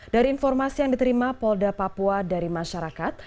dari informasi yang diterima polda papua dari masyarakat